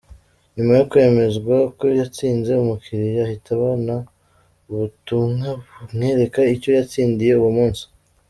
Nyuma yo kwemezwa ko yatsinze, umukiliya ahita abona ubutumwa bumwereka icyo yatsindiye uwo munsi.